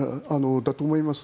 だと思います。